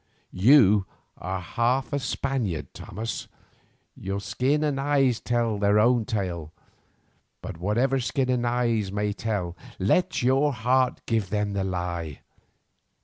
You are half a Spaniard, Thomas, your skin and eyes tell their own tale, but whatever skin and eyes may tell, let your heart give them the lie.